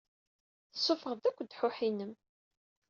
Tessuffɣeḍ-d akk ddḥuḥ-inem!